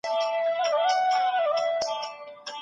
انساني کرامت بايد وساتل سي.